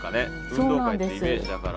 運動会ってイメージだから。